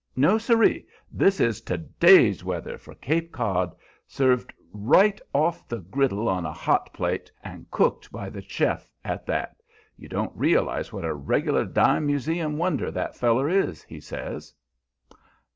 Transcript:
No siree! this is TO DAY'S weather for Cape Cod, served right off the griddle on a hot plate, and cooked by the chef at that. You don't realize what a regular dime museum wonder that feller is," he says.